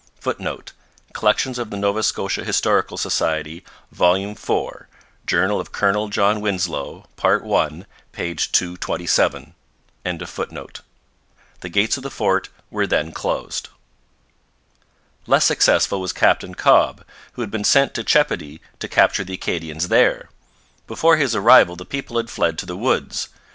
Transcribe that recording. [Footnote: Collections of the Nova Scotia Historical Society, vol. iv, Journal of Colonel John Winslow, part i, p. 227.] The gates of the fort were then closed. Less successful was Captain Cobb, who had been sent to Chepody to capture the Acadians there. Before his arrival the people had fled to the woods.